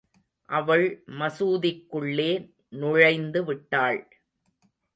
அவள் மசூதிக்குள்ளே நுழைந்து விட்டாள்.